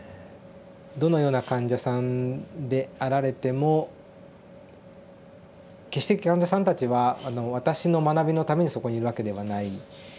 どのような患者さんであられても決して患者さんたちは私の学びのためにそこにいるわけではない。